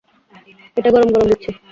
এটা গরম গরম দিচ্ছি।